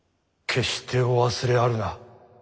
決してお忘れあるな。